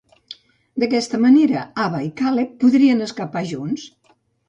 D'aquesta manera, Ava i Caleb podrien escapar junts.